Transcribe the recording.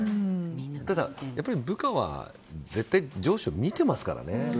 ただ、やっぱり部下は絶対、上司を見ていますからね。